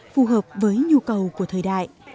phù hợp với nhu cầu của thời đại